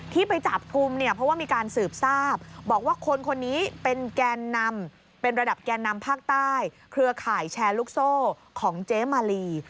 ที่ไปจับกลุ่มเนี่ยเพราะว่ามีการสืบทราบบอกว่าคนคนนี้เป็นแกนนำเป็นระดับแกนนำภาคใต้เครือข่ายแชร์ลูกโซ่ของเจ๊มาลี